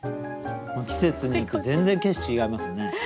季節によって全然景色違いますね。